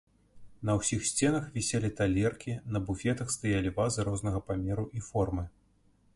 На ўсіх сценах віселі талеркі, на буфетах стаялі вазы рознага памеру і формы.